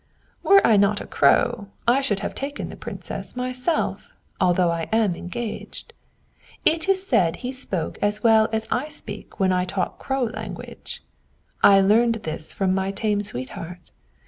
"Were I not a Crow, I should have taken the Princess myself, although I am engaged. It is said he spoke as well as I speak when I talk crow language; this I learned from my tame sweetheart.